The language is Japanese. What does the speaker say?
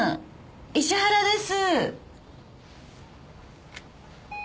石原です。